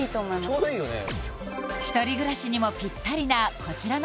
ちょうどいいよね